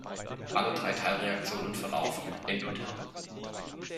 Alle drei Teilreaktionen verlaufen endotherm.